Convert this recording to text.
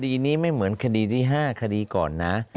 คดีนี้ไม่เหมือนคดีที่๕คดีก่อนนะ